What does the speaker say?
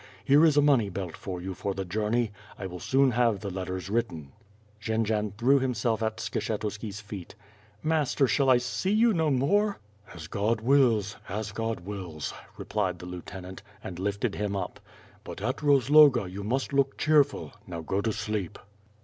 Here is a money belt for you for the journey. I will soon have the letters written. Jendzian threw himself at Skshetuski's feet. "Master, shall I see you no more?" "As God wills; as God wills!" repUed the lieutenant, and lifted him up. "But at Rozloga you must look cheerful. Now go to sleep."